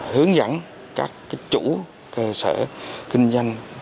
hướng dẫn các chủ cơ sở kinh doanh